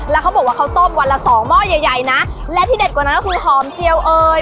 แล้วเขาบอกว่าเขาต้มวันละสองหม้อใหญ่ใหญ่นะและที่เด็ดกว่านั้นก็คือหอมเจียวเอ่ย